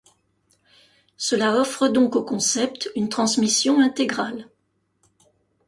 Cela offre donc au concept une transmission intégrale.